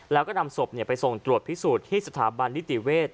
แล้วก็นำศพไปส่งตรวจพิสูจน์ที่สถาบันนิติเวศ